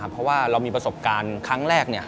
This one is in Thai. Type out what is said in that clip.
เพราะว่าเรามีประสบการณ์ครั้งแรก